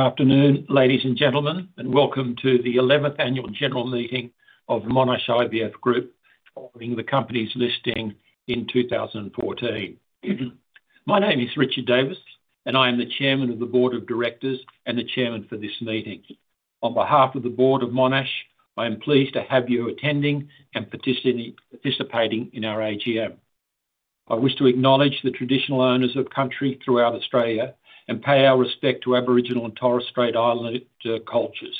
Afternoon, ladies and gentlemen, and welcome to the 11th Annual General Meeting of the Monash IVF Group following the company's listing in 2014. My name is Richard Davis, and I am the Chairman of the Board of Directors and the Chairman for this meeting. On behalf of the Board of Monash, I am pleased to have you attending and participating in our AGM. I wish to acknowledge the traditional owners of country throughout Australia and pay our respect to Aboriginal and Torres Strait Islander cultures,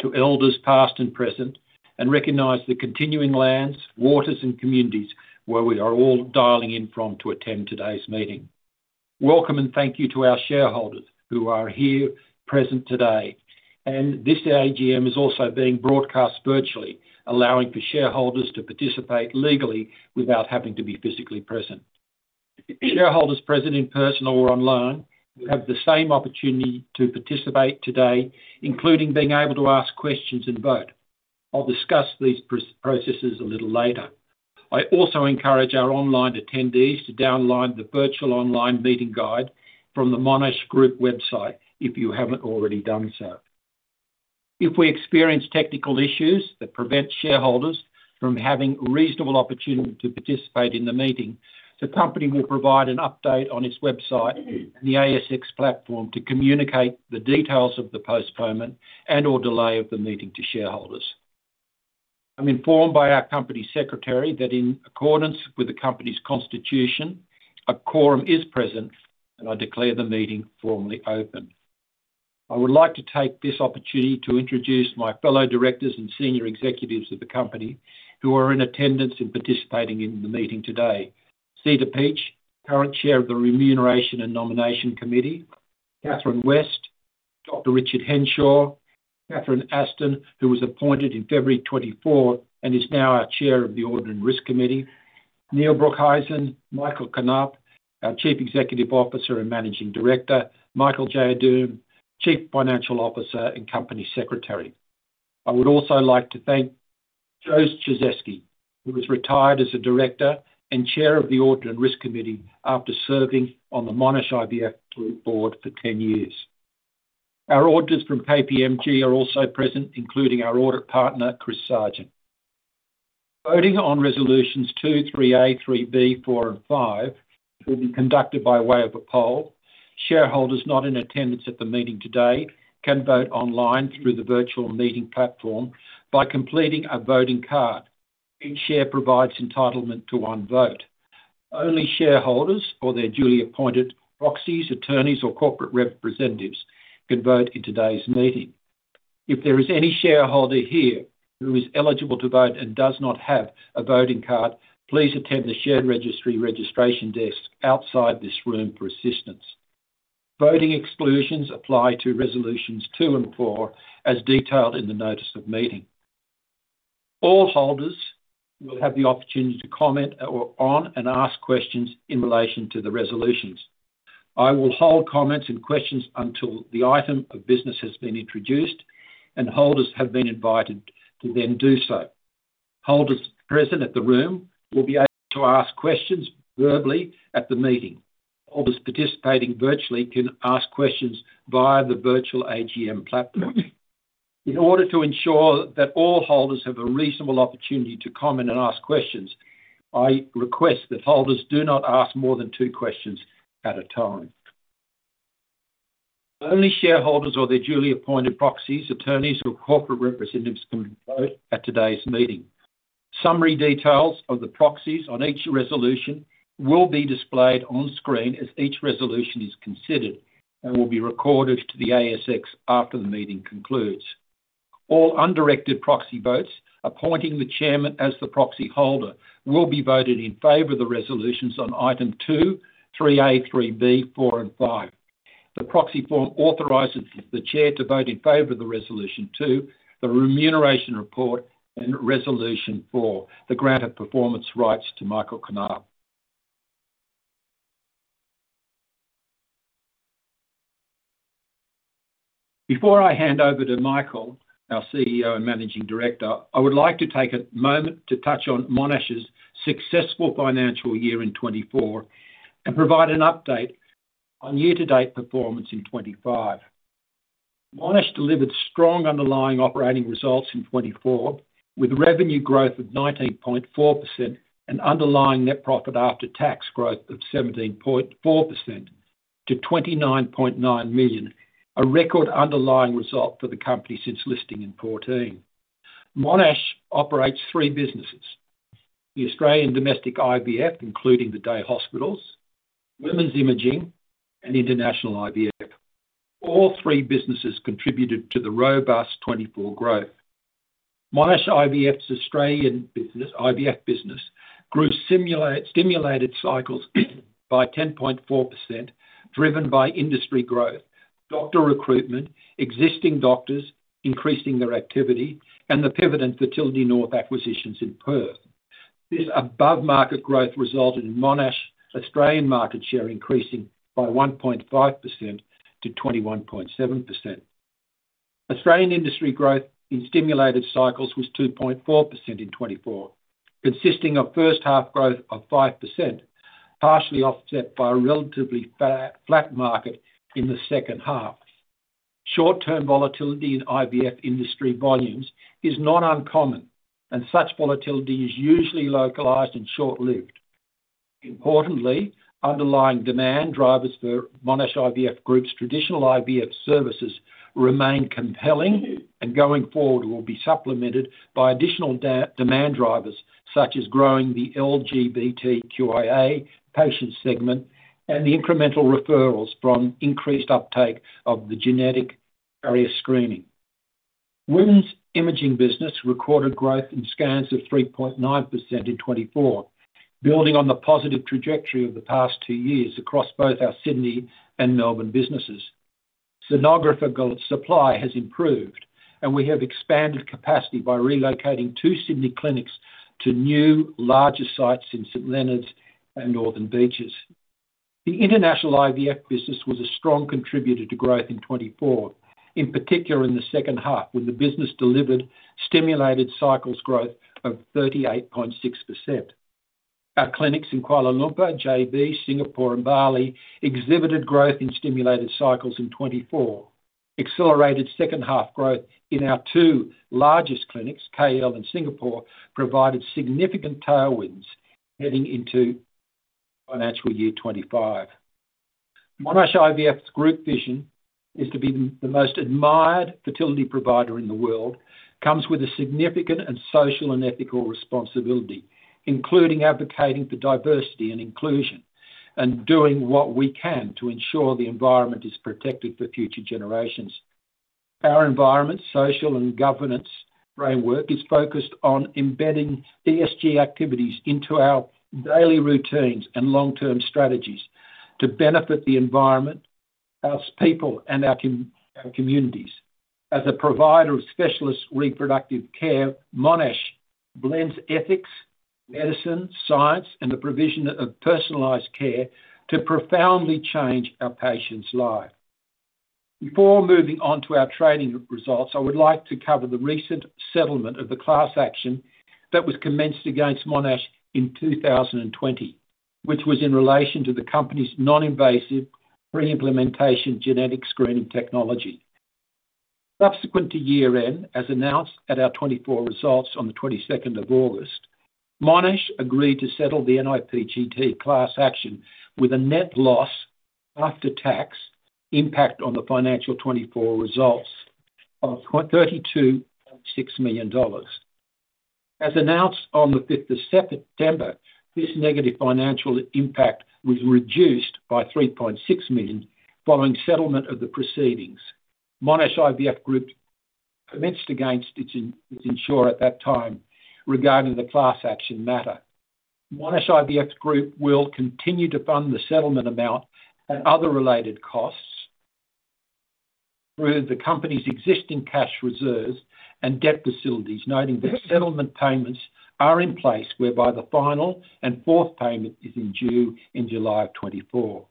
to elders past and present, and recognise the continuing lands, waters, and communities where we are all dialing in from to attend today's meeting. Welcome and thank you to our shareholders who are here present today. And this AGM is also being broadcast virtually, allowing for shareholders to participate legally without having to be physically present. Shareholders present in person or online have the same opportunity to participate today, including being able to ask questions and vote. I'll discuss these processes a little later. I also encourage our online attendees to download the virtual online meeting guide from the Monash Group website if you haven't already done so. If we experience technical issues that prevent shareholders from having a reasonable opportunity to participate in the meeting, the company will provide an update on its website and the ASX platform to communicate the details of the postponement and/or delay of the meeting to shareholders. I'm informed by our company secretary that in accordance with the company's constitution, a quorum is present, and I declare the meeting formally open. I would like to take this opportunity to introduce my fellow directors and senior executives of the company who are in attendance and participating in the meeting today: Zita Peach, current Chair of the Remuneration and Nomination Committee, Catherine West, Dr. Richard Henshaw, Catherine Aston, who was appointed in February 2024 and is now our Chair of the Audit and Risk Committee, Neil Broekhuizen, Michael Knaap, our Chief Executive Officer and Managing Director, Malik Jainudeen, Chief Financial Officer and Company Secretary. I would also like to thank Josef Czyzewski, who has retired as a director and Chair of the Audit and Risk Committee after serving on the Monash IVF Group Board for 10 years. Our auditors from KPMG are also present, including our audit partner, Chris Sargent. Voting on Resolutions 2, 3A, 3B, 4, and 5 will be conducted by way of a poll. Shareholders not in attendance at the meeting today can vote online through the virtual meeting platform by completing a voting card. Each share provides entitlement to one vote. Only shareholders or their duly appointed proxies, attorneys, or corporate representatives can vote in today's meeting. If there is any shareholder here who is eligible to vote and does not have a voting card, please attend the share registry registration desk outside this room for assistance. Voting exclusions apply to Resolutions 2 and 4, as detailed in the Notice of Meeting. All holders will have the opportunity to comment on and ask questions in relation to the resolutions. I will hold comments and questions until the item of business has been introduced, and holders have been invited to then do so. Holders present at the room will be able to ask questions verbally at the meeting. Holders participating virtually can ask questions via the virtual AGM platform. In order to ensure that all holders have a reasonable opportunity to comment and ask questions, I request that holders do not ask more than two questions at a time. Only shareholders or their duly appointed proxies, attorneys, or corporate representatives can vote at today's meeting. Summary details of the proxies on each resolution will be displayed on screen as each resolution is considered and will be recorded to the ASX after the meeting concludes. All undirected proxy votes appointing the Chairman as the proxy holder will be voted in favour of the resolutions on Item 2, 3A, 3B, 4, and 5. The proxy form authorises the Chair to vote in favour of the Resolution 2, the Remuneration Report, and Resolution 4, the Grant of Performance Rights to Michael Knaap. Before I hand over to Michael, our CEO and Managing Director, I would like to take a moment to touch on Monash's successful financial year in 2024 and provide an update on year-to-date performance in 2025. Monash delivered strong underlying operating results in 2024, with revenue growth of 19.4% and underlying net profit after tax growth of 17.4% to 29.9 million, a record underlying result for the company since listing in 2014. Monash operates three businesses: the Australian domestic IVF, including the day hospitals, women's imaging, and international IVF. All three businesses contributed to the robust 2024 growth. Monash IVF's Australian IVF business grew stimulated cycles by 10.4%, driven by industry growth, doctor recruitment, existing doctors increasing their activity, and the PIVET and Fertility North acquisitions in Perth. This above-market growth resulted in Monash's Australian market share increasing by 1.5% to 21.7%. Australian industry growth in stimulated cycles was 2.4% in 2024, consisting of first-half growth of 5%, partially offset by a relatively flat market in the second half. Short-term volatility in IVF industry volumes is not uncommon, and such volatility is usually localized and short-lived. Importantly, underlying demand drivers for Monash IVF Group's traditional IVF services remain compelling and going forward will be supplemented by additional demand drivers such as growing the LGBTQIA patient segment and the incremental referrals from increased uptake of the genetic carrier screening. Women's imaging business recorded growth in scans of 3.9% in 2024, building on the positive trajectory of the past two years across both our Sydney and Melbourne businesses. Sonographer supply has improved, and we have expanded capacity by relocating two Sydney clinics to new, larger sites in St Leonards and Northern Beaches. The international IVF business was a strong contributor to growth in 2024, in particular in the second half, when the business delivered stimulated cycles growth of 38.6%. Our clinics in Kuala Lumpur, JB, Singapore, and Bali exhibited growth in stimulated cycles in 2024. Accelerated second-half growth in our two largest clinics, KL and Singapore, provided significant tailwinds heading into financial year 2025. Monash IVF Group's vision is to be the most admired fertility provider in the world. It comes with a significant social and ethical responsibility, including advocating for diversity and inclusion and doing what we can to ensure the environment is protected for future generations. Our environment, social and governance framework is focused on embedding ESG activities into our daily routines and long-term strategies to benefit the environment, our people, and our communities. As a provider of specialist reproductive care, Monash blends ethics, medicine, science, and the provision of personalized care to profoundly change our patients' lives. Before moving on to our trading results, I would like to cover the recent settlement of the class action that was commenced against Monash in 2020, which was in relation to the company's non-invasive pre-implantation genetic screening technology. Subsequent to year-end, as announced at our 2024 results on the 22nd of August, Monash agreed to settle the niPGT class action with a net loss after tax impact on the financial 2024 results of 32.6 million dollars. As announced on the 5th of September, this negative financial impact was reduced by 3.6 million following settlement of the proceedings. Monash IVF Group commenced against its insurer at that time regarding the class action matter. Monash IVF Group will continue to fund the settlement amount and other related costs through the company's existing cash reserves and debt facilities, noting that settlement payments are in place, whereby the final and fourth payment is due in July of 2024.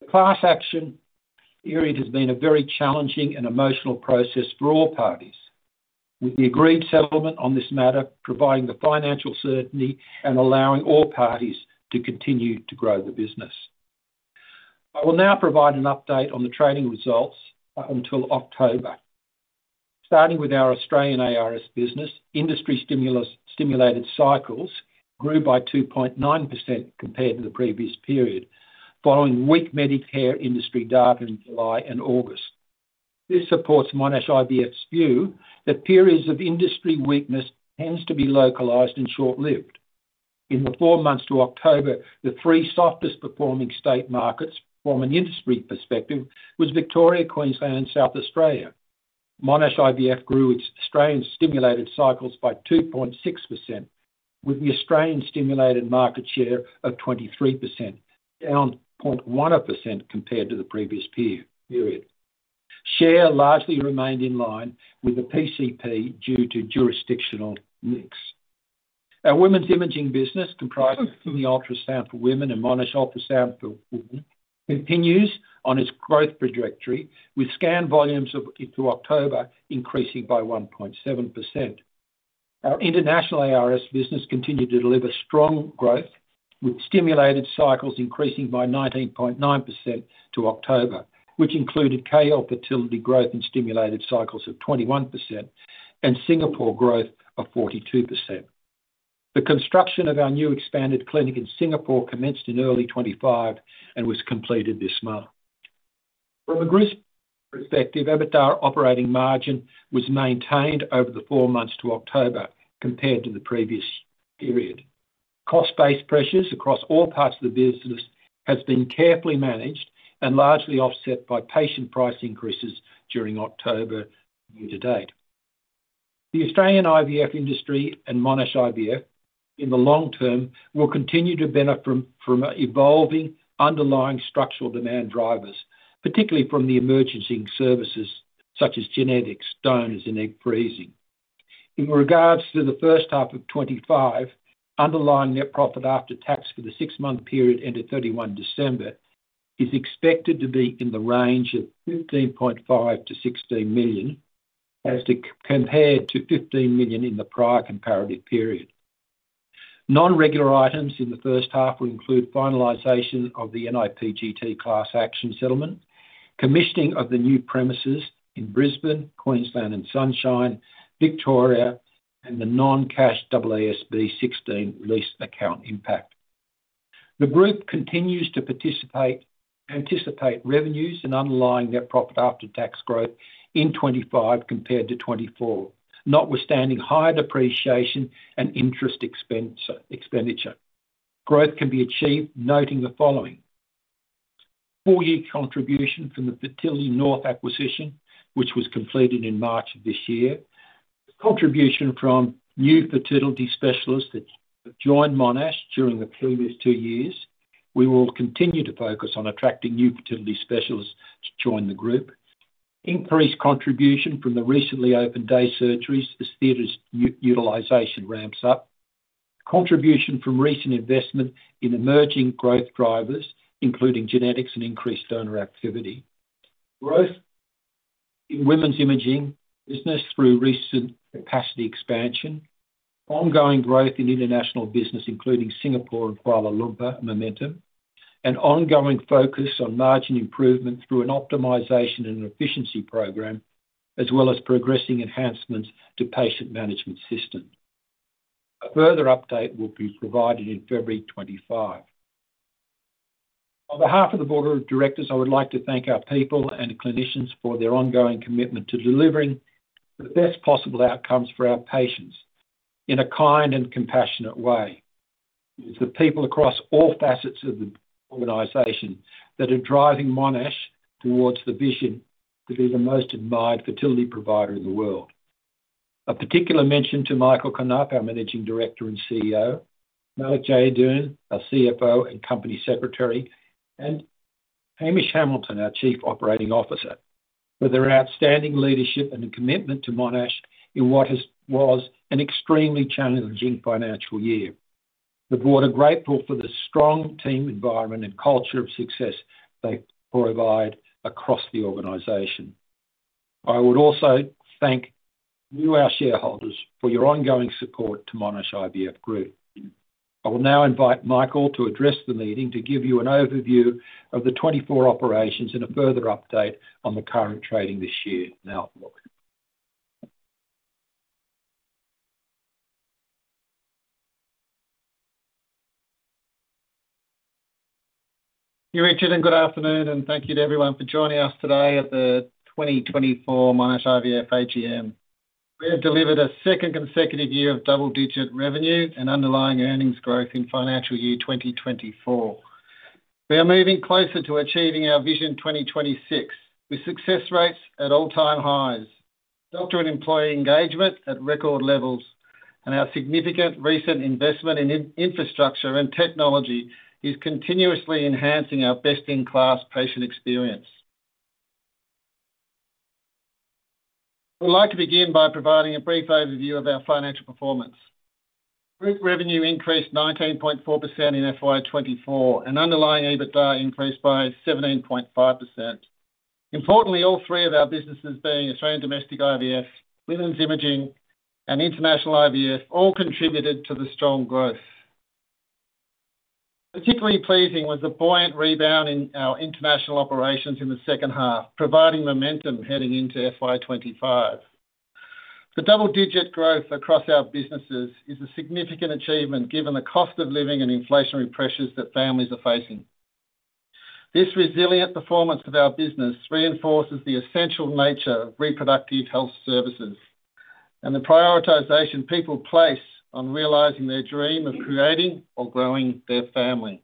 The class action period has been a very challenging and emotional process for all parties, with the agreed settlement on this matter providing the financial certainty and allowing all parties to continue to grow the business. I will now provide an update on the trading results up until October. Starting with our Australian ARS business, industry stimulated cycles grew by 2.9% compared to the previous period, following weak Medicare industry data in July and August. This supports Monash IVF's view that periods of industry weakness tend to be localized and short-lived. In the four months to October, the three softest-performing state markets from an industry perspective were Victoria, Queensland, and South Australia. Monash IVF grew its Australian stimulated cycles by 2.6%, with the Australian stimulated market share of 23%, down 0.1% compared to the previous period. Share largely remained in line with the PCP due to jurisdictional mix. Our women's imaging business, comprising Ultrasound for Women and Monash Ultrasound for Women, continues on its growth trajectory, with scan volumes to October increasing by 1.7%. Our international ARS business continued to deliver strong growth, with stimulated cycles increasing by 19.9% to October, which included KL Fertility growth in stimulated cycles of 21% and Singapore growth of 42%. The construction of our new expanded clinic in Singapore commenced in early 2025 and was completed this month. From a risk perspective, EBITDA operating margin was maintained over the four months to October compared to the previous period. Cost-based pressures across all parts of the business have been carefully managed and largely offset by patient price increases during October year-to-date. The Australian IVF industry and Monash IVF in the long term will continue to benefit from evolving underlying structural demand drivers, particularly from the emerging services such as genetics, donors, and egg freezing. In regards to the first half of 2025, underlying net profit after tax for the six-month period ended 31 December is expected to be in the range of 15.5-16 million as compared to 15 million in the prior comparative period. Non-recurring items in the first half will include finalization of the niPGT class action settlement, commissioning of the new premises in Brisbane, Queensland, and Sunshine, Victoria, and the non-cash AASB 16 lease account impact. The Group continues to participate and anticipate revenues and underlying net profit after tax growth in 2025 compared to 2024, notwithstanding higher depreciation and interest expenditure. Growth can be achieved, noting the following: four-year contribution from the Fertility North acquisition, which was completed in March of this year. Contribution from new fertility specialists that joined Monash during the previous two years. We will continue to focus on attracting new fertility specialists to join the Group. Increased contribution from the recently opened day surgeries as theater utilization ramps up. Contribution from recent investment in emerging growth drivers, including genetics and increased donor activity. Growth in women's imaging business through recent capacity expansion. Ongoing growth in international business, including Singapore and Kuala Lumpur, momentum. And ongoing focus on margin improvement through an optimization and efficiency program, as well as progressing enhancements to patient management systems. A further update will be provided in February 2025. On behalf of the Board of Directors, I would like to thank our people and clinicians for their ongoing commitment to delivering the best possible outcomes for our patients in a kind and compassionate way. It's the people across all facets of the organization that are driving Monash towards the vision to be the most admired fertility provider in the world. A particular mention to Michael Knaap, our Managing Director and CEO, Malik Jainudeen, our CFO and Company Secretary, and Hamish Hamilton, our Chief Operating Officer, for their outstanding leadership and commitment to Monash in what was an extremely challenging financial year. The Board are grateful for the strong team environment and culture of success they provide across the organization. I would also thank you, our shareholders, for your ongoing support to Monash IVF Group. I will now invite Michael to address the meeting to give you an overview of the 2024 operations and a further update on the current trading this year and outlook. Good evening and good afternoon, and thank you to everyone for joining us today at the 2024 Monash IVF AGM. We have delivered a second consecutive year of double-digit revenue and underlying earnings growth in financial year 2024. We are moving closer to achieving our Vision 2026 with success rates at all-time highs, doctor and employee engagement at record levels, and our significant recent investment in infrastructure and technology is continuously enhancing our best-in-class patient experience. I would like to begin by providing a brief overview of our financial performance. Group revenue increased 19.4% in FY 2024, and underlying EBITDA increased by 17.5%. Importantly, all three of our businesses, being Australian domestic IVF, women's imaging, and international IVF, all contributed to the strong growth. Particularly pleasing was the buoyant rebound in our international operations in the second half, providing momentum heading into FY 2025. The double-digit growth across our businesses is a significant achievement given the cost of living and inflationary pressures that families are facing. This resilient performance of our business reinforces the essential nature of reproductive health services and the prioritization people place on realizing their dream of creating or growing their family.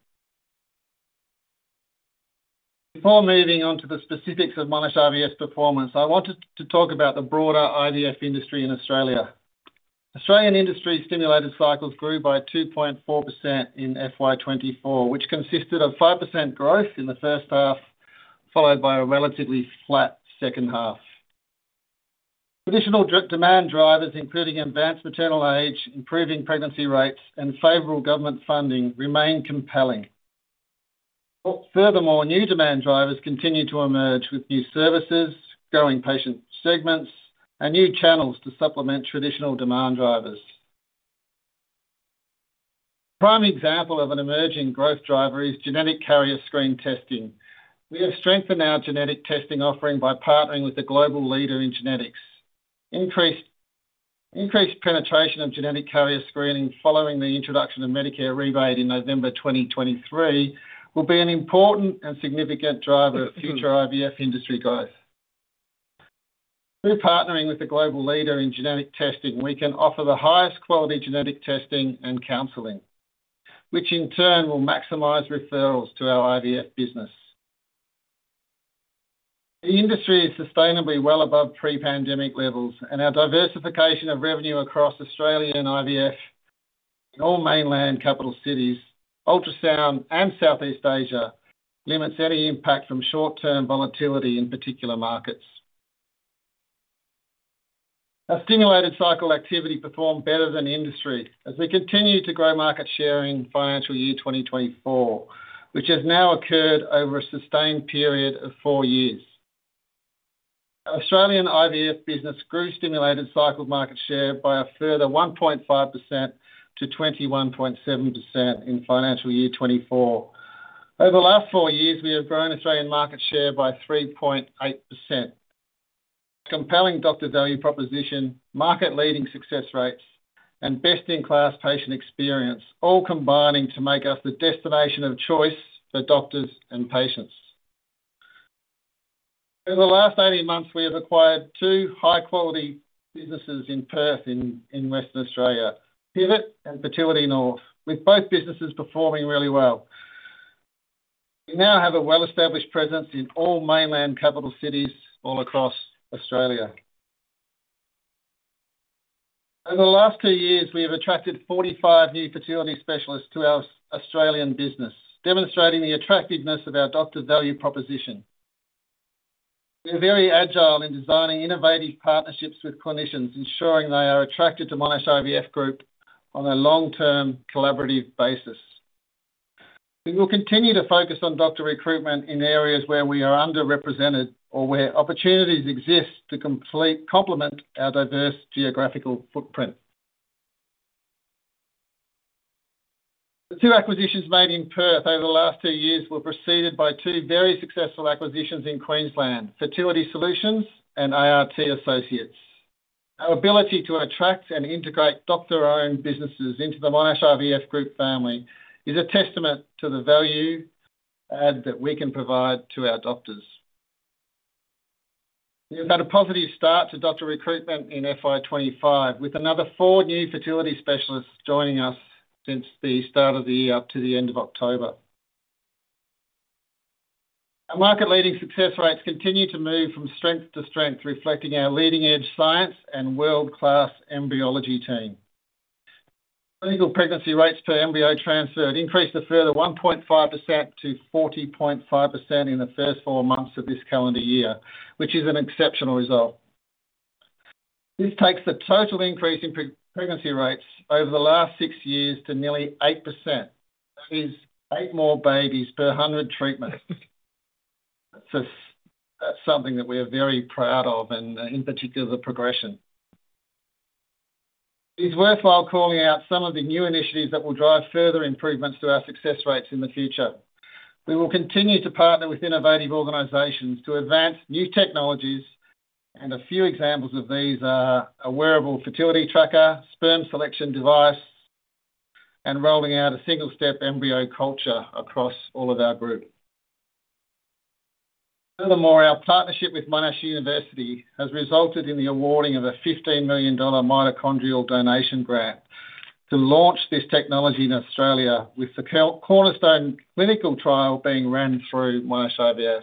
Before moving on to the specifics of Monash IVF performance, I wanted to talk about the broader IVF industry in Australia. Australian industry stimulated cycles grew by 2.4% in FY 2024, which consisted of 5% growth in the first half, followed by a relatively flat second half. Traditional demand drivers, including advanced maternal age, improving pregnancy rates, and favourable government funding, remain compelling. Furthermore, new demand drivers continue to emerge with new services, growing patient segments, and new channels to supplement traditional demand drivers. A prime example of an emerging growth driver is genetic carrier screen testing. We have strengthened our genetic testing offering by partnering with the global leader in genetics. Increased penetration of genetic carrier screening following the introduction of Medicare rebate in November 2023 will be an important and significant driver of future IVF industry growth. Through partnering with the global leader in genetic testing, we can offer the highest quality genetic testing and counseling, which in turn will maximize referrals to our IVF business. The industry is sustainably well above pre-pandemic levels, and our diversification of revenue across Australia and IVF in all mainland capital cities, ultrasound, and Southeast Asia limits any impact from short-term volatility in particular markets. Our stimulated cycle activity performed better than industry as we continue to grow market share in financial year 2024, which has now occurred over a sustained period of four years. Our Australian IVF business grew stimulated cycle market share by a further 1.5% to 21.7% in financial year 2024. Over the last four years, we have grown Australian market share by 3.8%. Our compelling doctor value proposition, market-leading success rates, and best-in-class patient experience all combining to make us the destination of choice for doctors and patients. Over the last 18 months, we have acquired two high-quality businesses in Perth in Western Australia, PIVET and Fertility North, with both businesses performing really well. We now have a well-established presence in all mainland capital cities all across Australia. Over the last two years, we have attracted 45 new fertility specialists to our Australian business, demonstrating the attractiveness of our doctor value proposition. We are very agile in designing innovative partnerships with clinicians, ensuring they are attracted to Monash IVF Group on a long-term collaborative basis. We will continue to focus on doctor recruitment in areas where we are underrepresented or where opportunities exist to completely complement our diverse geographical footprint. The two acquisitions made in Perth over the last two years were preceded by two very successful acquisitions in Queensland, Fertility Solutions and ART Associates. Our ability to attract and integrate doctor-owned businesses into the Monash IVF Group family is a testament to the value added that we can provide to our doctors. We have had a positive start to doctor recruitment in FY 2025, with another four new fertility specialists joining us since the start of the year up to the end of October. Our market-leading success rates continue to move from strength to strength, reflecting our leading-edge science and world-class embryology team. Clinical pregnancy rates per embryo transferred increased a further 1.5% to 40.5% in the first four months of this calendar year, which is an exceptional result. This takes the total increase in pregnancy rates over the last six years to nearly 8%. That is eight more babies per 100 treatments. That's something that we are very proud of, and in particular, the progression. It's worthwhile calling out some of the new initiatives that will drive further improvements to our success rates in the future. We will continue to partner with innovative organizations to advance new technologies, and a few examples of these are a wearable fertility tracker, sperm selection device, and rolling out a single-step embryo culture across all of our group. Furthermore, our partnership with Monash University has resulted in the awarding of a 15 million dollar mitochondrial donation grant to launch this technology in Australia, with the cornerstone clinical trial being run through Monash IVF.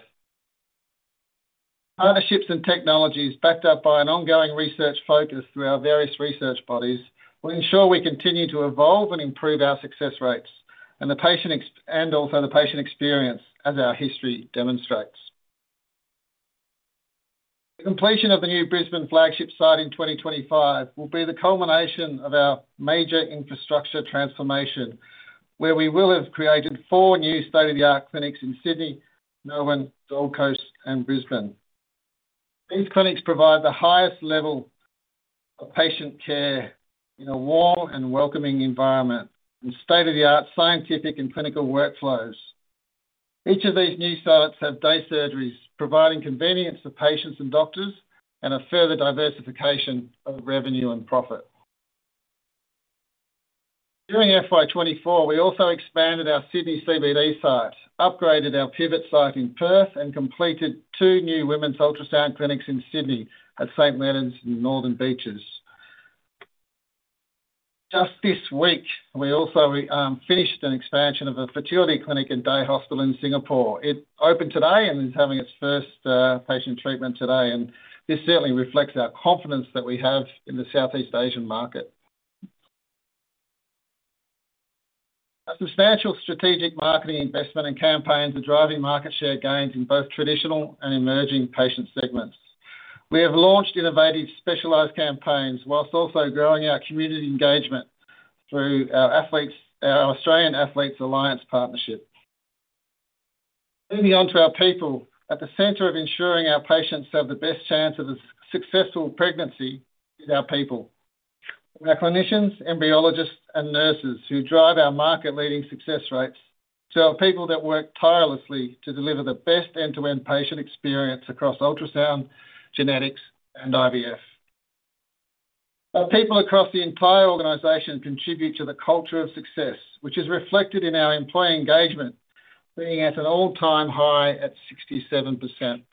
Partnerships and technologies backed up by an ongoing research focus through our various research bodies will ensure we continue to evolve and improve our success rates and also the patient experience, as our history demonstrates. The completion of the new Brisbane flagship site in 2025 will be the culmination of our major infrastructure transformation, where we will have created four new state-of-the-art clinics in Sydney, Melbourne, Gold Coast, and Brisbane. These clinics provide the highest level of patient care in a warm and welcoming environment and state-of-the-art scientific and clinical workflows. Each of these new sites has day surgeries, providing convenience for patients and doctors and a further diversification of revenue and profit. During FY 2024, we also expanded our Sydney CBD site, upgraded our PIVET site in Perth, and completed two new women's ultrasound clinics in Sydney at St Marys and Northern Beaches. Just this week, we also finished an expansion of a fertility clinic and day hospital in Singapore. It opened today and is having its first patient treatment today, and this certainly reflects our confidence that we have in the Southeast Asian market. Our substantial strategic marketing investment and campaigns are driving market share gains in both traditional and emerging patient segments. We have launched innovative specialized campaigns while also growing our community engagement through our Australian Athletes Alliance partnership. Moving on to our people, at the center of ensuring our patients have the best chance of a successful pregnancy is our people. Our clinicians, embryologists, and nurses who drive our market-leading success rates are people that work tirelessly to deliver the best end-to-end patient experience across ultrasound, genetics, and IVF. Our people across the entire organization contribute to the culture of success, which is reflected in our employee engagement, being at an all-time high at 67%.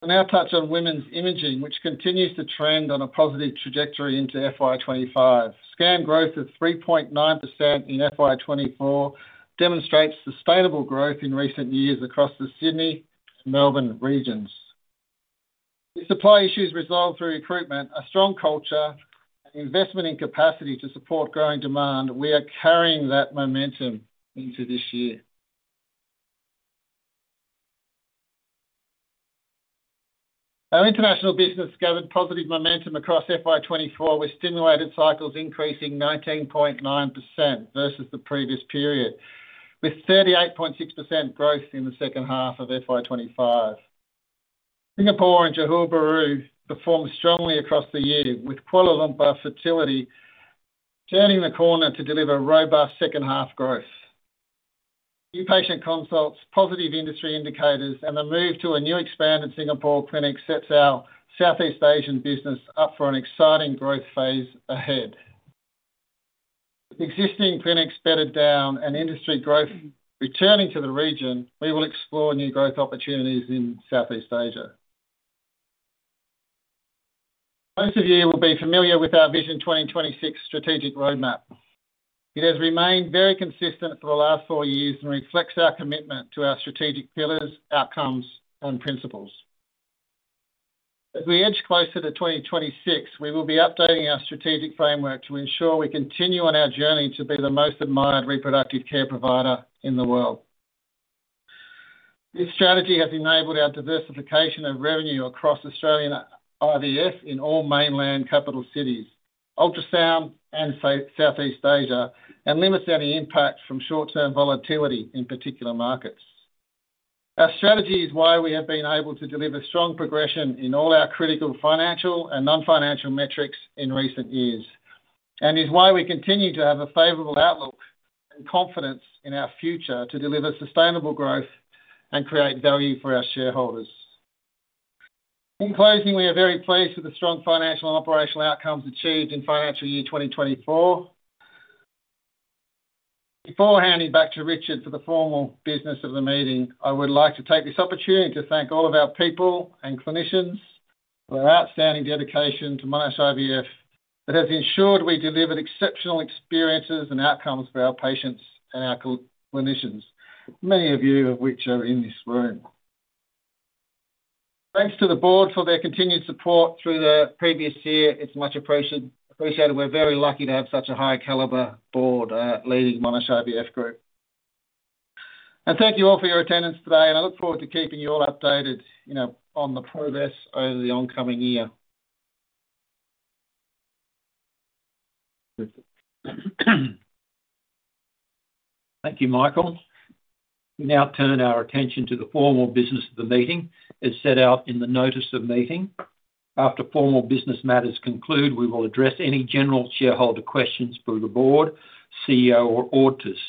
I'll now touch on women's imaging, which continues to trend on a positive trajectory into FY 2025. Scan growth of 3.9% in FY 2024 demonstrates sustainable growth in recent years across the Sydney and Melbourne regions. With supply issues resolved through recruitment, a strong culture, and investment in capacity to support growing demand, we are carrying that momentum into this year. Our international business gathered positive momentum across FY 2024 with stimulated cycles increasing 19.9% versus the previous period, with 38.6% growth in the second half of FY 2025. Singapore and Johor Bahru performed strongly across the year, with Kuala Lumpur Fertility turning the corner to deliver robust second-half growth. New patient consults, positive industry indicators, and the move to a new expanded Singapore clinic sets our Southeast Asian business up for an exciting growth phase ahead. With existing clinics bedded down and industry growth returning to the region, we will explore new growth opportunities in Southeast Asia. Most of you will be familiar with our Vision 2026 strategic roadmap. It has remained very consistent for the last four years and reflects our commitment to our strategic pillars, outcomes, and principles. As we edge closer to 2026, we will be updating our strategic framework to ensure we continue on our journey to be the most admired reproductive care provider in the world. This strategy has enabled our diversification of revenue across Australian IVF in all mainland capital cities, ultrasound, and Southeast Asia, and limits any impact from short-term volatility in particular markets. Our strategy is why we have been able to deliver strong progression in all our critical financial and non-financial metrics in recent years, and is why we continue to have a favorable outlook and confidence in our future to deliver sustainable growth and create value for our shareholders. In closing, we are very pleased with the strong financial and operational outcomes achieved in financial year 2024. Before handing back to Richard for the formal business of the meeting, I would like to take this opportunity to thank all of our people and clinicians for their outstanding dedication to Monash IVF that has ensured we delivered exceptional experiences and outcomes for our patients and our clinicians, many of you of which are in this room. Thanks to the board for their continued support through the previous year. It's much appreciated. We're very lucky to have such a high-caliber board leading Monash IVF Group. And thank you all for your attendance today, and I look forward to keeping you all updated on the progress over the oncoming year. Thank you, Michael. We now turn our attention to the formal business of the meeting as set out in the Notice of Meeting. After formal business matters conclude, we will address any general shareholder questions for the board, CEO, or auditors.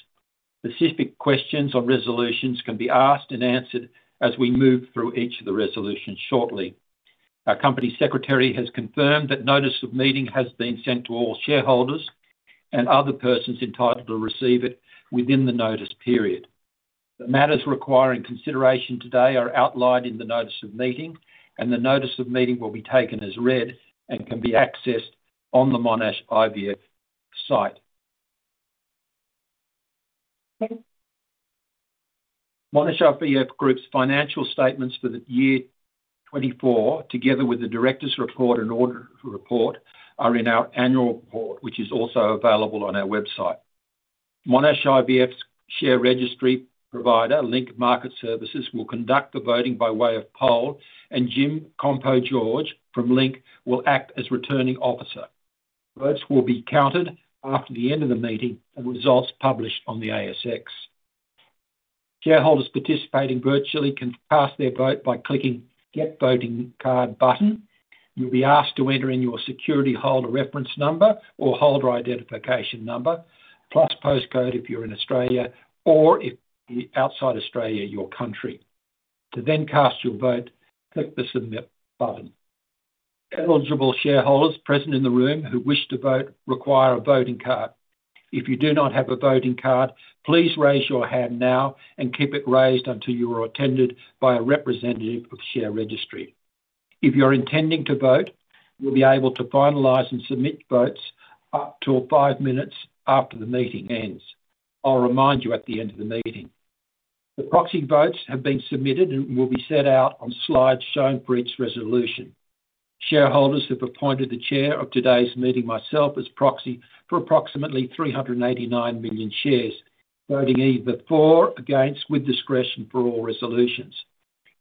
Specific questions or resolutions can be asked and answered as we move through each of the resolutions shortly. Our company secretary has confirmed that Notice of Meeting has been sent to all shareholders and other persons entitled to receive it within the notice period. The matters requiring consideration today are outlined in the Notice of Meeting, and the Notice of Meeting will be taken as read and can be accessed on the Monash IVF site. Monash IVF Group's financial statements for the year 2024, together with the directors' report and auditors' report, are in our annual report, which is also available on our website. Monash IVF's share registry provider, Link Market Services, will conduct the voting by way of poll, and Jim Kompogiorgas from Link will act as returning officer. Votes will be counted after the end of the meeting and results published on the ASX. Shareholders participating virtually can cast their vote by clicking the Get Voting Card button. You'll be asked to enter in your security holder reference number or holder identification number, plus postcode if you're in Australia or if outside Australia, your country. To then cast your vote, click the Submit button. Eligible shareholders present in the room who wish to vote require a voting card. If you do not have a voting card, please raise your hand now and keep it raised until you are attended by a representative of the share registry. If you're intending to vote, you'll be able to finalize and submit votes up to five minutes after the meeting ends. I'll remind you at the end of the meeting. The proxy votes have been submitted and will be set out on slides shown for each resolution. Shareholders have appointed the chair of today's meeting, myself as proxy for approximately 389 million shares, voting either for, against, or with discretion for all resolutions.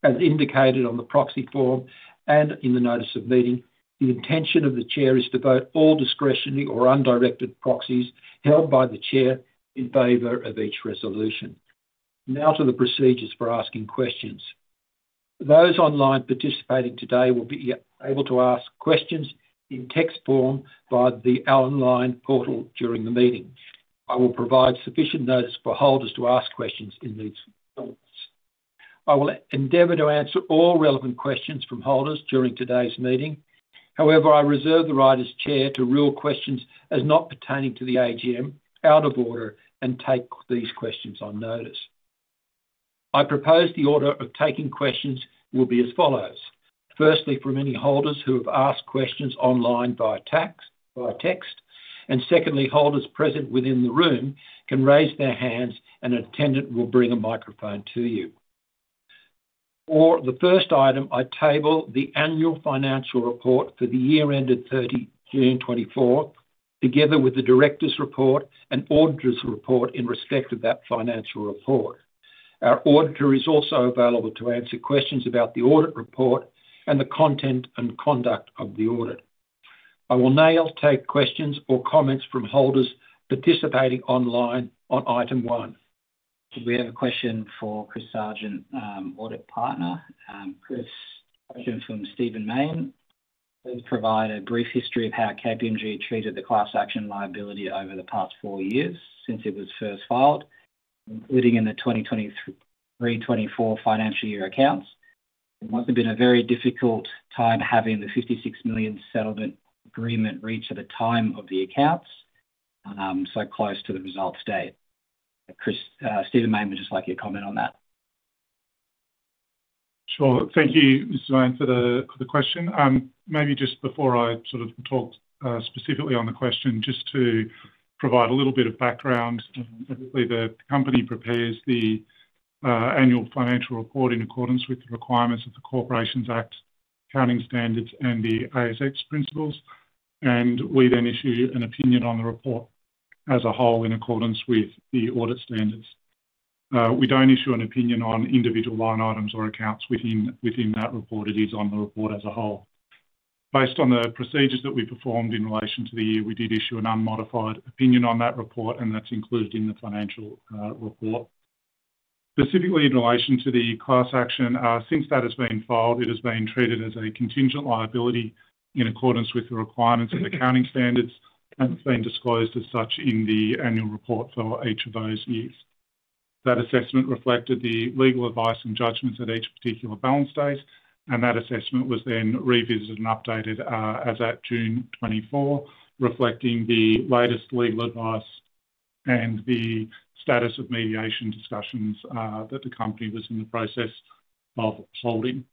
As indicated on the proxy form and in the Notice of Meeting, the intention of the chair is to vote all discretionary or undirected proxies held by the chair in favor of each resolution. Now to the procedures for asking questions. Those online participating today will be able to ask questions in text form via the online portal during the meeting. I will provide sufficient notice for holders to ask questions in these forms. I will endeavor to answer all relevant questions from holders during today's meeting. However, I reserve the right as chair to rule questions as not pertaining to the AGM, out of order, and take these questions on notice. I propose the order of taking questions will be as follows. Firstly, from any holders who have asked questions online via text, and secondly, holders present within the room can raise their hands, and an attendant will bring a microphone to you. For the first item, I table the annual financial report for the year ended 30 June 2024, together with the Directors' Report and Auditor's Report in respect of that financial report. Our auditor is also available to answer questions about the audit report and the content and conduct of the audit. I will now take questions or comments from holders participating online on item one. We have a question for Chris Sargent, audit partner. Chris, question from Stephen Mayne. Please provide a brief history of how KPMG treated the class action liability over the past four years since it was first filed, including in the 2023-2024 financial year accounts. It must have been a very difficult time having the 56 million settlement agreement reached at the time of the accounts, so close to the results date. Stephen Mayne, would you just like your comment on that? Sure. Thank you, Mr. Mayne, for the question. Maybe just before I sort of talk specifically on the question, just to provide a little bit of background. Obviously, the company prepares the annual financial report in accordance with the requirements of the Corporations Act, accounting standards, and the ASX principles, and we then issue an opinion on the report as a whole in accordance with the audit standards. We don't issue an opinion on individual line items or accounts within that report. It is on the report as a whole. Based on the procedures that we performed in relation to the year, we did issue an unmodified opinion on that report, and that's included in the financial report. Specifically in relation to the class action, since that has been filed, it has been treated as a contingent liability in accordance with the requirements of accounting standards, and it's been disclosed as such in the annual report for each of those years. That assessment reflected the legal advice and judgments at each particular balance date, and that assessment was then revisited and updated as at June 2024, reflecting the latest legal advice and the status of mediation discussions that the company was in the process of holding.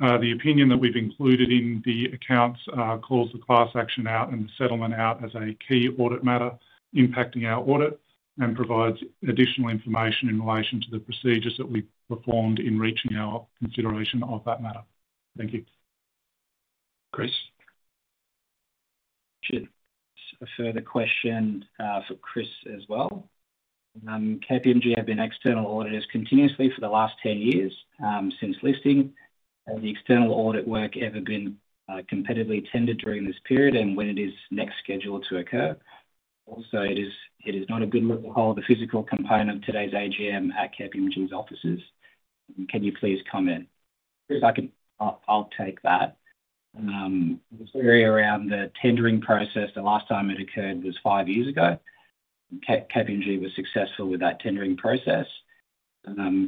The opinion that we've included in the accounts calls the class action out and the settlement out as a key audit matter impacting our audit and provides additional information in relation to the procedures that we performed in reaching our consideration of that matter. Thank you. Chris. I have a further question for Chris as well. KPMG have been external auditors continuously for the last 10 years since listing. Has the external audit work ever been competitively tendered during this period, and when is next scheduled to occur? Also, it is not a good look at the physical component of today's AGM at KPMG's offices. Can you please comment? Chris, I'll take that. It was really around the tendering process. The last time it occurred was 5 years ago. KPMG was successful with that tendering process.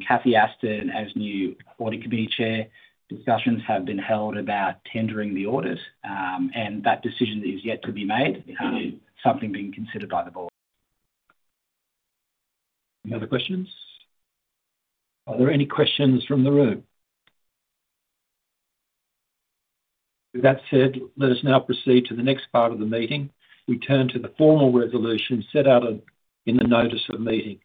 Cathy Aston, as new Audit Committee Chair, discussions have been held about tendering the auditors, and that decision is yet to be made, something being considered by the board. No other questions? Are there any questions from the room? With that said, let us now proceed to the next part of the meeting. We turn to the formal resolution set out in the Notice of Meeting.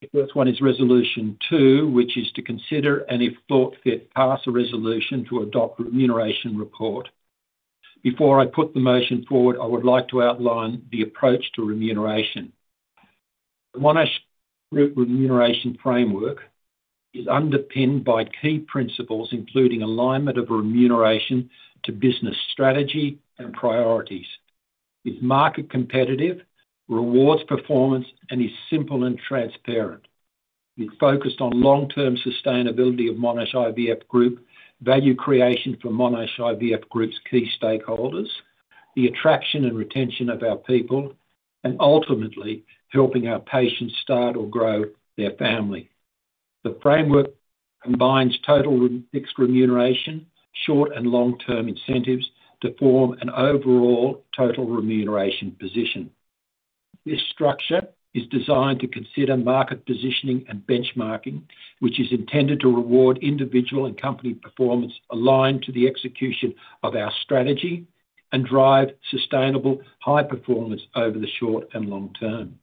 The first one is resolution two, which is to consider and, if thought fit, pass a resolution to adopt the Remuneration Report. Before I put the motion forward, I would like to outline the approach to remuneration. The Monash Group remuneration framework is underpinned by key principles, including alignment of remuneration to business strategy and priorities. It's market competitive, rewards performance, and is simple and transparent. We've focused on long-term sustainability of Monash IVF Group, value creation for Monash IVF Group's key stakeholders, the attraction and retention of our people, and ultimately helping our patients start or grow their family. The framework combines total fixed remuneration, short and long-term incentives to form an overall total remuneration position. This structure is designed to consider market positioning and benchmarking, which is intended to reward individual and company performance aligned to the execution of our strategy and drive sustainable high performance over the short and long term.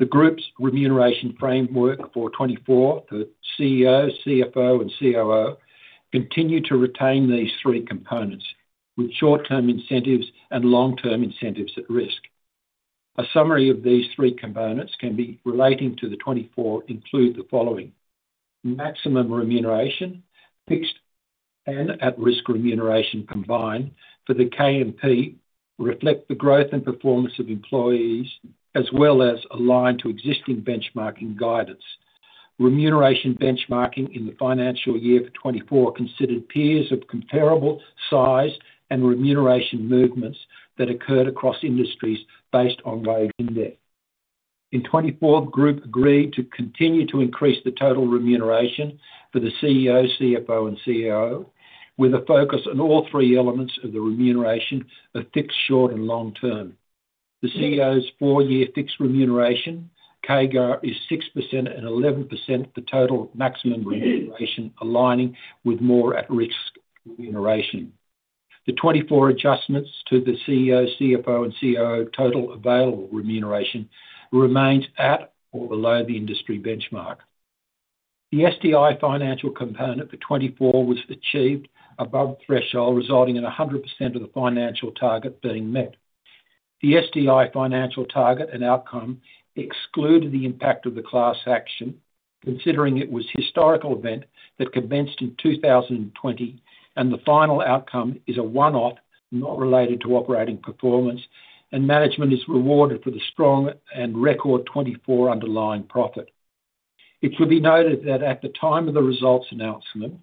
The group's remuneration framework for 2024, the CEO, CFO, and COO continue to retain these three components, with short-term incentives and long-term incentives at risk. A summary of these three components can be relating to the 2024 include the following: maximum remuneration, fixed and at-risk remuneration combined for the KMP reflect the growth and performance of employees as well as align to existing benchmarking guidance. Remuneration benchmarking in the financial year for 2024 considered peers of comparable size and remuneration movements that occurred across industries based on wage index. In 2024, the group agreed to continue to increase the total remuneration for the CEO, CFO, and COO, with a focus on all three elements of the remuneration of fixed, short, and long term. The CEO's four-year fixed remuneration, CAGR, is 6% and 11% of the total maximum remuneration, aligning with more at-risk remuneration. The 2024 adjustments to the CEO, CFO, and COO total available remuneration remains at or below the industry benchmark. The STI financial component for 2024 was achieved above threshold, resulting in 100% of the financial target being met. The STI financial target and outcome excluded the impact of the class action, considering it was a historical event that commenced in 2020, and the final outcome is a one-off, not related to operating performance, and management is rewarded for the strong and record 2024 underlying profit. It should be noted that at the time of the results announcement,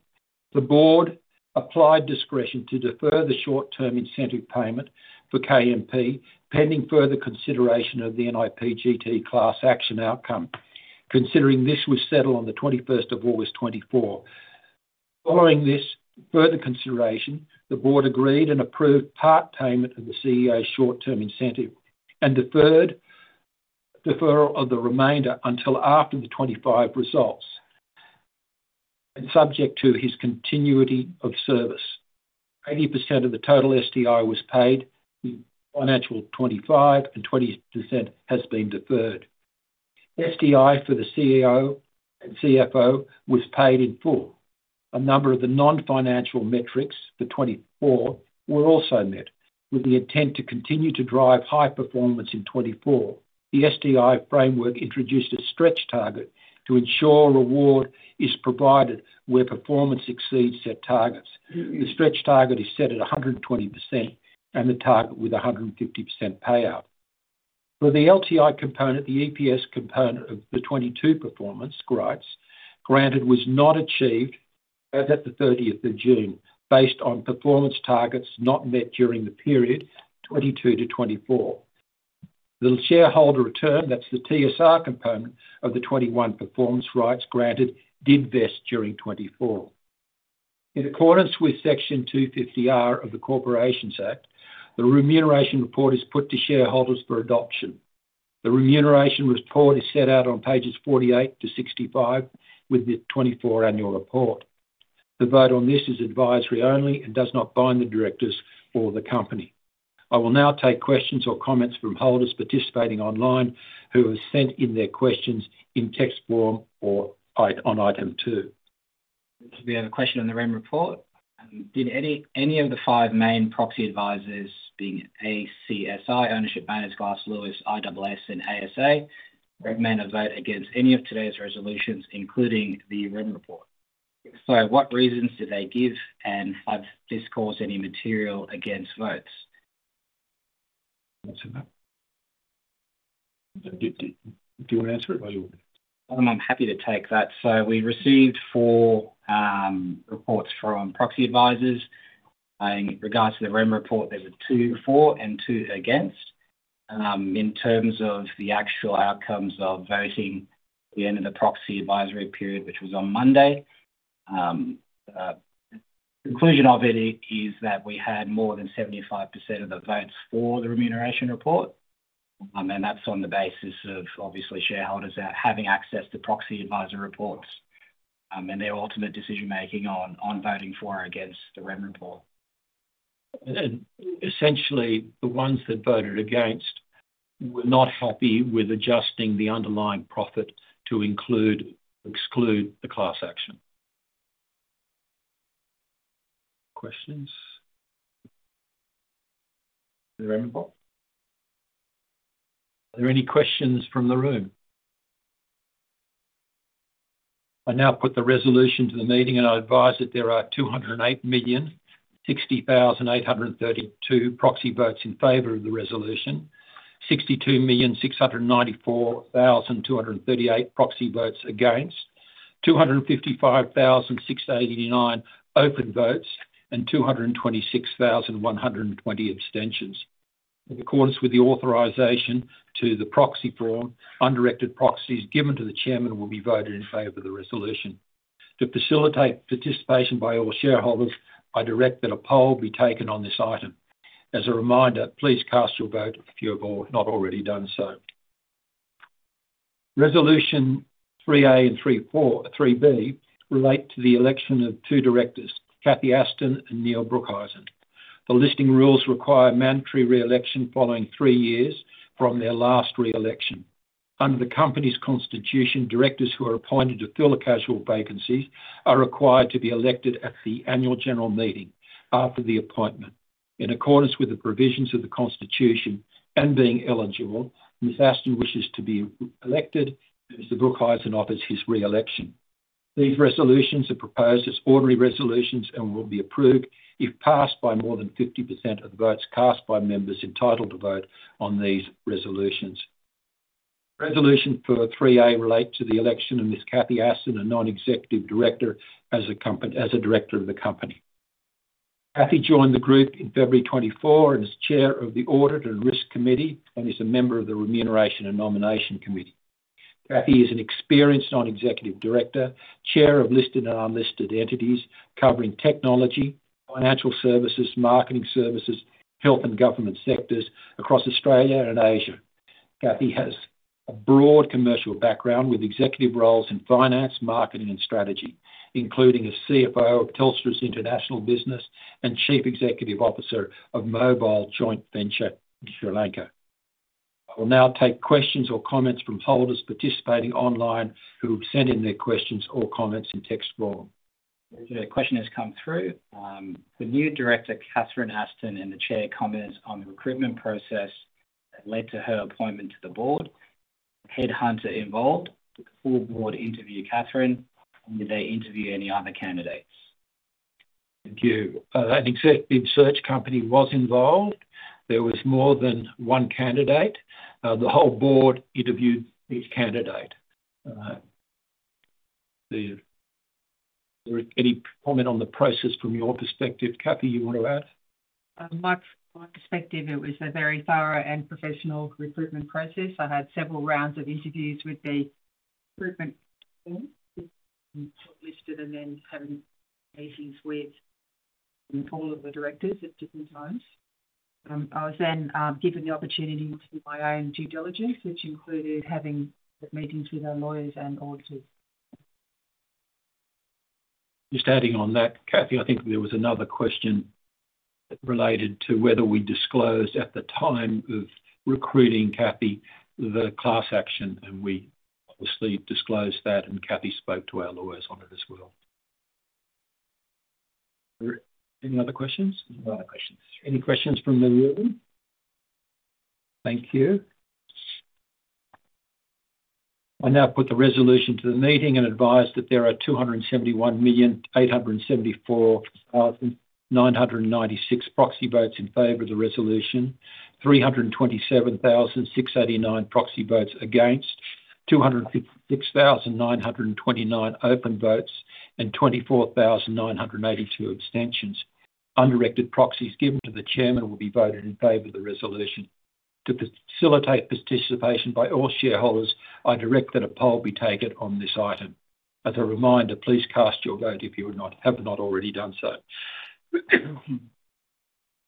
the board applied discretion to defer the short-term incentive payment for KMP pending further consideration of the niPGT class action outcome, considering this was settled on the 21st of August 2024. Following this further consideration, the board agreed and approved part payment of the CEO's short-term incentive and deferred deferral of the remainder until after the 2025 results, subject to his continuity of service. 80% of the total STI was paid in financial 2025, and 20% has been deferred. STI for the CEO and CFO was paid in full. A number of the non-financial metrics for 2024 were also met. With the intent to continue to drive high performance in 2024, the STI framework introduced a stretch target to ensure reward is provided where performance exceeds set targets. The stretch target is set at 120% and the target with 150% payout. For the LTI component, the EPS component of the 2022 performance grants granted was not achieved as of the 30th of June, based on performance targets not met during the period 2022 to 2024. The shareholder return, that's the TSR component of the 2021 performance rights granted, did vest during 2024. In accordance with Section 250R of the Corporations Act, the Remuneration Report is put to shareholders for adoption. The Remuneration Report is set out on pages 48 to 65 with the 2024 annual report. The vote on this is advisory only and does not bind the directors or the company. I will now take questions or comments from holders participating online who have sent in their questions in text form on item two. There's a question on the Rem report. Did any of the five main proxy advisors, being ACSI, Ownership Matters, Glass Lewis, ISS, and ASA, recommend a vote against any of today's resolutions, including the Rem report? If so, what reasons did they give, and has this caused any material against votes? Do you want to answer it, or are you? I'm happy to take that. So we received four reports from proxy advisors. In regards to the Rem report, there were two for and two against. In terms of the actual outcomes of voting at the end of the proxy advisory period, which was on Monday, the conclusion of it is that we had more than 75% of the votes for the Remuneration Report, and that's on the basis of, obviously, shareholders having access to proxy advisor reports and their ultimate decision-making on voting for or against the Rem report. Essentially, the ones that voted against were not happy with adjusting the underlying profit to include or exclude the class action. Questions? The Rem report? Are there any questions from the room? I now put the resolution to the meeting, and I advise that there are 208,060,832 proxy votes in favor of the resolution, 62,694,238 proxy votes against, 255,689 open votes, and 226,120 abstentions. In accordance with the authorization to the proxy form, undirected proxies given to the chairman will be voted in favor of the resolution. To facilitate participation by all shareholders, I direct that a poll be taken on this item. As a reminder, please cast your vote if you have not already done so. Resolution 3A and 3B relate to the election of two directors, Cathy Aston and Neil Broekhuizen. The listing rules require mandatory reelection following three years from their last reelection. Under the company's constitution, directors who are appointed to fill casual vacancies are required to be elected at the annual general meeting after the appointment. In accordance with the provisions of the constitution and being eligible, Ms. Aston wishes to be elected, and Mr. Broekhuizen offers his reelection. These resolutions are proposed as ordinary resolutions and will be approved if passed by more than 50% of the votes cast by members entitled to vote on these resolutions. Resolution for 3A relates to the election of Ms. Cathy Aston, a non-executive director, as a director of the company. Cathy joined the group in February 2024 and is Chair of the Audit and Risk Committee and is a member of the Remuneration and Nomination Committee. Cathy is an experienced non-executive director, Chair of listed and unlisted entities covering technology, financial services, marketing services, health, and government sectors across Australia and Asia. Cathy has a broad commercial background with executive roles in finance, marketing, and strategy, including as CFO of Telstra's International Business and Chief Executive Officer of mobile joint venture in Sri Lanka. I will now take questions or comments from holders participating online who have sent in their questions or comments in text form. A question has come through. The new director, Catherine Aston, and the chair commented on the recruitment process that led to her appointment to the board. Headhunter involved. Did the full board interview Catherine, and did they interview any other candidates? Thank you. An executive search company was involved. There was more than one candidate. The whole board interviewed each candidate. Any comment on the process from your perspective? Cathy, you want to add? From my perspective, it was a very thorough and professional recruitment process. I had several rounds of interviews with the recruitment team that were listed and then having meetings with all of the directors at different times. I was then given the opportunity to do my own due diligence, which included having meetings with our lawyers and auditors. Just adding on that, Cathy, I think there was another question related to whether we disclosed at the time of recruiting Cathy the class action, and we obviously disclosed that, and Cathy spoke to our lawyers on it as well. Any other questions? No other questions. Any questions from the room? Thank you. I now put the resolution to the meeting and advise that there are 271,874,996 proxy votes in favor of the resolution, 327,689 proxy votes against, 256,929 open votes, and 24,982 abstentions. Undirected proxies given to the chairman will be voted in favor of the resolution. To facilitate participation by all shareholders, I direct that a poll be taken on this item. As a reminder, please cast your vote if you have not already done so.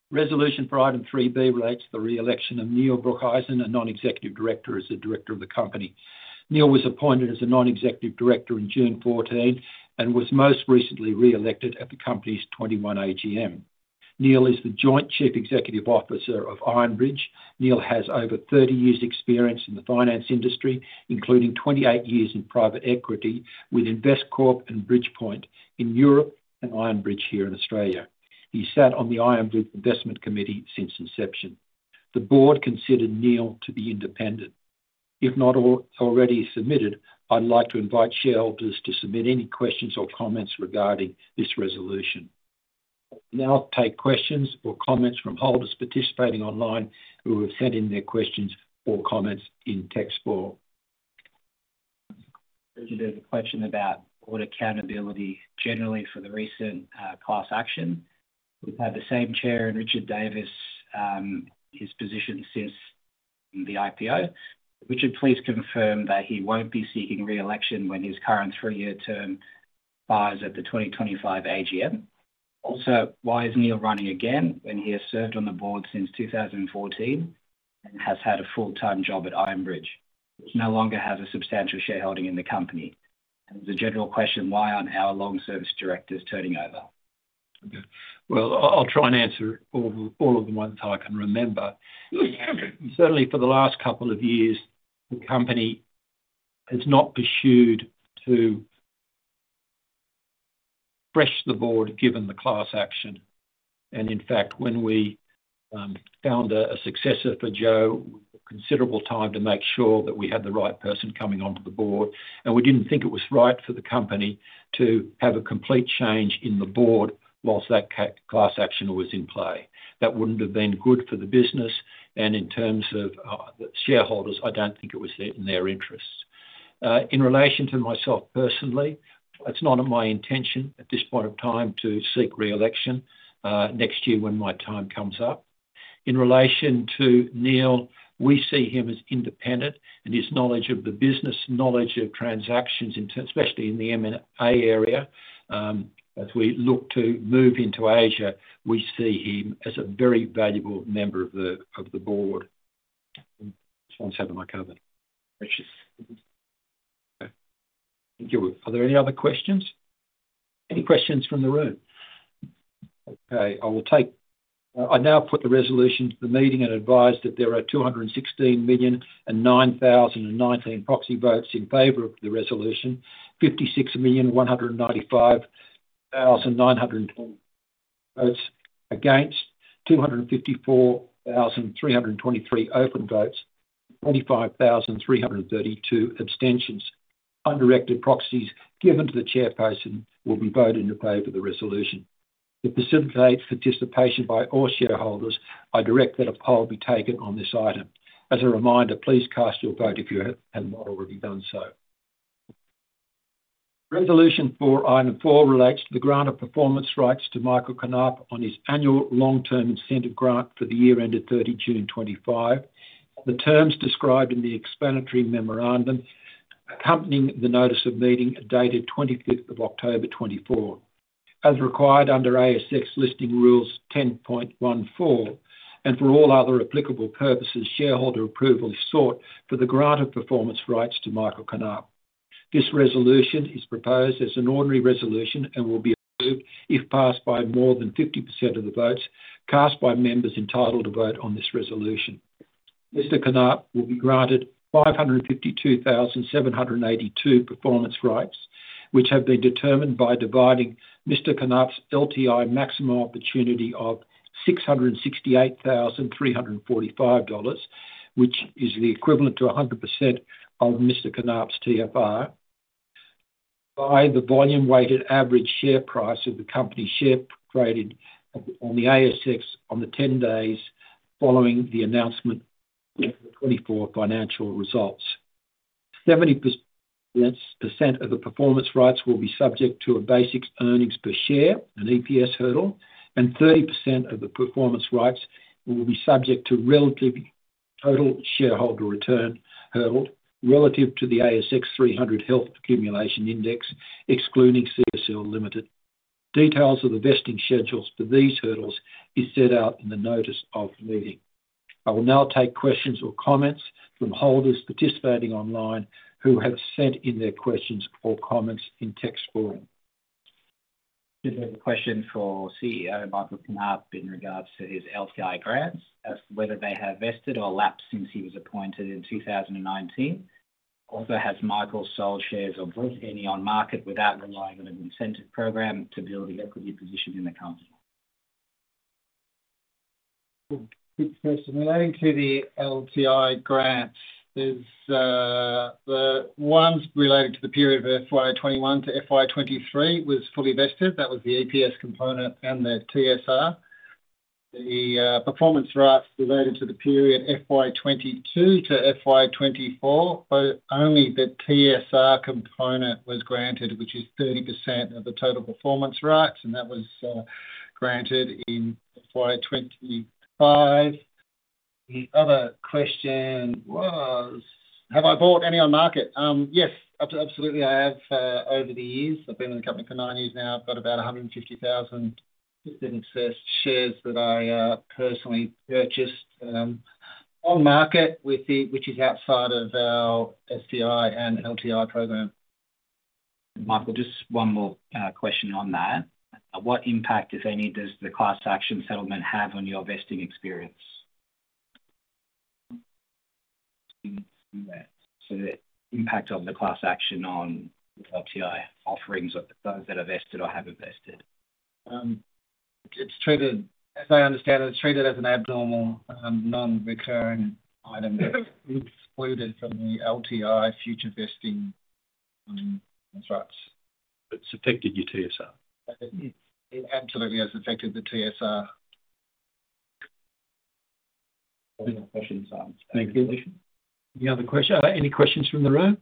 Resolution for item 3B relates to the reelection of Neil Broekhuizen, a non-executive director, as the director of the company. Neil was appointed as a non-executive director in June 2014 and was most recently reelected at the company's 2021 AGM. Neil is the Joint Chief Executive Officer of Ironbridge. Neil has over 30 years' experience in the finance industry, including 28 years in private equity with Investcorp and Bridgepoint in Europe and Ironbridge here in Australia. He sat on the Ironbridge Investment Committee since inception. The board considered Neil to be independent. If not already submitted, I'd like to invite shareholders to submit any questions or comments regarding this resolution. I'll now take questions or comments from holders participating online who have sent in their questions or comments in text form. Richard, there's a question about board accountability generally for the recent class action. We've had the same chair, Richard Davis, in his position since the IPO. Richard, please confirm that he won't be seeking reelection when his current three-year term expires at the 2025 AGM. Also, why is Neil running again when he has served on the board since 2014 and has had a full-time job at Ironbridge, which no longer has a substantial shareholding in the company? And there's a general question, why aren't our long-service directors turning over? Well, I'll try and answer all of them once I can remember. Certainly, for the last couple of years, the company has not pursued to refresh the board given the class action. In fact, when we found a successor for Joe, we took considerable time to make sure that we had the right person coming onto the board, and we didn't think it was right for the company to have a complete change in the board while that class action was in play. That wouldn't have been good for the business, and in terms of the shareholders, I don't think it was in their interests. In relation to myself personally, it's not my intention at this point of time to seek reelection next year when my time comes up. In relation to Neil, we see him as independent, and his knowledge of the business, knowledge of transactions, especially in the M&A area, as we look to move into Asia, we see him as a very valuable member of the board. Just want to have my cover. Thank you. Are there any other questions? Any questions from the room? Okay. I will now put the resolution to the meeting and advise that there are 216,009,019 proxy votes in favor of the resolution, 56,195,912 votes against, 254,323 open votes, 25,332 abstentions. Undirected proxies given to the chairperson will be voted in favor of the resolution. To facilitate participation by all shareholders, I direct that a poll be taken on this item. As a reminder, please cast your vote if you have not already done so. Resolution for item four relates to the grant of performance rights to Michael Knaap on his annual long-term incentive grant for the year ended 30 June 2025. The terms described in the explanatory memorandum accompanying the Notice of Meeting are dated 25th of October 2024. As required under ASX Listing Rules 10.14, and for all other applicable purposes, shareholder approval is sought for the grant of performance rights to Michael Knaap. This resolution is proposed as an ordinary resolution and will be approved if passed by more than 50% of the votes cast by members entitled to vote on this resolution. Mr. Knaap will be granted 552,782 performance rights, which have been determined by dividing Mr. Knaap's LTI maximum opportunity of 668,345 dollars, which is the equivalent to 100% of Mr. Knaap's TFR, by the volume-weighted average share price of the company share traded on the ASX on the 10 days following the announcement of the 2024 financial results. 70% of the performance rights will be subject to a basic earnings per share, an EPS hurdle, and 30% of the performance rights will be subject to relative total shareholder return hurdle relative to the ASX 300 Health Care Accumulation Index, excluding CSL Limited. Details of the vesting schedules for these hurdles are set out in the Notice of Meeting. I will now take questions or comments from holders participating online who have sent in their questions or comments in text form. There's a question for CEO Michael Knaap in regards to his LTI grants, as to whether they have vested or lapsed since he was appointed in 2019. Also, has Michael sold shares of any on market without relying on an incentive program to build an equity position in the company? Good question. Relating to the LTI grants, the ones related to the period of FY 2021 to FY 2023 were fully vested. That was the EPS component and the TSR. The performance rights related to the period FY 2022 to FY 2024, but only the TSR component was granted, which is 30% of the total performance rights, and that was granted in FY 2025. The other question was, have I bought any on market? Yes, absolutely, I have over the years. I've been in the company for nine years now. I've got about 150,000 shares that I personally purchased on market, which is outside of our STI and LTI program. Michael, just one more question on that. What impact, if any, does the class action settlement have on your vesting experience? So the impact of the class action on the LTI offerings of those that are vested or haven't vested? As I understand it, it's treated as an abnormal, non-recurring item excluded from the LTI future vesting thresholds. It's affected your TSR. It absolutely has affected the TSR. Thank you. Any other questions from the room?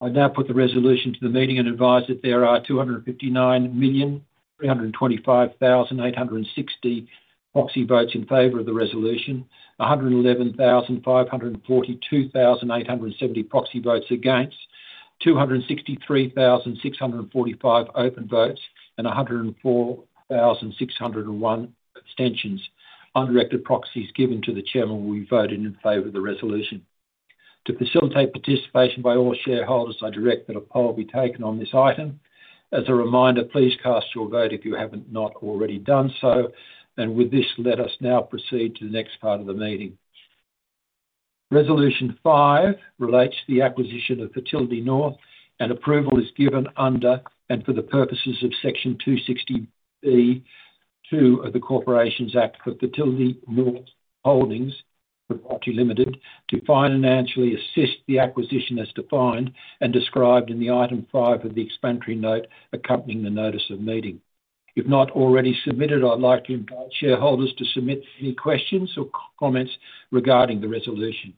I now put the resolution to the meeting and advise that there are 259,325,860 proxy votes in favor of the resolution, 111,542,870 proxy votes against, 263,645 open votes, and 104,601 abstentions. Undirected proxies given to the chairman will be voted in favor of the resolution. To facilitate participation by all shareholders, I direct that a poll be taken on this item. As a reminder, please cast your vote if you haven't already done so. And with this, let us now proceed to the next part of the meeting. Resolution five relates to the acquisition of Fertility North, and approval is given under and for the purposes of Section 260B(2) of the Corporations Act for Fertility North Holdings Pty Ltd to financially assist the acquisition as defined and described in the item five of the explanatory note accompanying the Notice of Meeting. If not already submitted, I'd like to invite shareholders to submit any questions or comments regarding the resolution.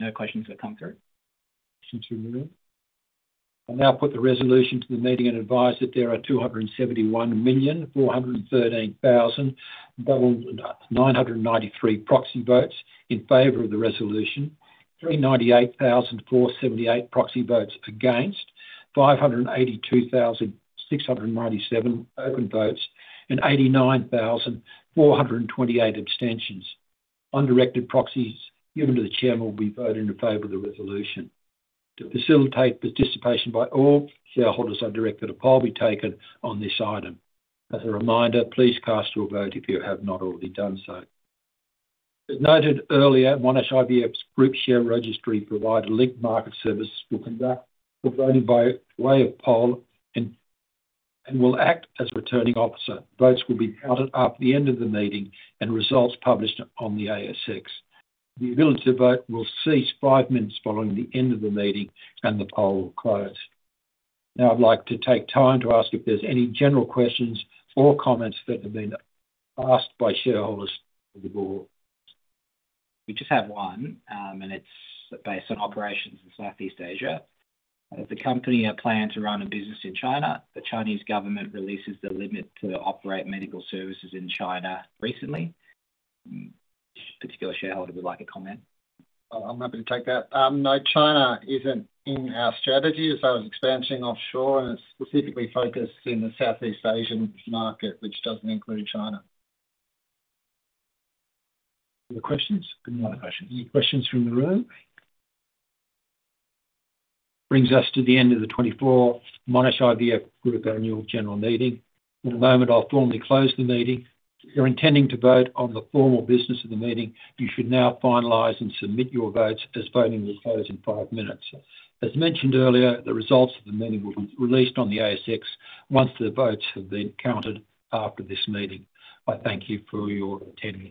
No questions that come through. I'll now put the resolution to the meeting and advise that there are 271,413,993 proxy votes in favor of the resolution, 398,478 proxy votes against, 582,697 open votes, and 89,428 abstentions. Undirected proxies given to the chairman will be voted in favor of the resolution. To facilitate participation by all shareholders, I direct that a poll be taken on this item. As a reminder, please cast your vote if you have not already done so. As noted earlier, Monash IVF Group's Share Registry provider Link Market Services for voting by way of poll and will act as a returning officer. Votes will be counted up at the end of the meeting and results published on the ASX. The ability to vote will cease five minutes following the end of the meeting, and the poll will close. Now, I'd like to take time to ask if there's any general questions or comments that have been asked by shareholders of the board. We just have one, and it's based on operations in Southeast Asia. Has the company a plan to run a business in China. The Chinese government relaxed the limit to operate medical services in China recently. A particular shareholder would like a comment. I'm happy to take that. No, China isn't in our strategy. So I was expanding offshore, and it's specifically focused in the Southeast Asian market, which doesn't include China. Any questions? No other questions. Any questions from the room? Brings us to the end of the 2024 Monash IVF Group Annual General Meeting. In a moment, I'll formally close the meeting. If you're intending to vote on the formal business of the meeting, you should now finalize and submit your votes as voting will close in five minutes. As mentioned earlier, the results of the meeting will be released on the ASX once the votes have been counted after this meeting. I thank you for your attendance.